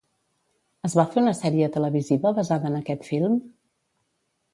Es va fer una sèrie televisiva basada en aquest film?